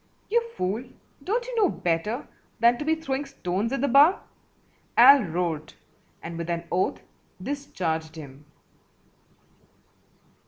"You fool, don't you know better than to be throwing stones at the bar?" Al roared, and with an oath discharged him.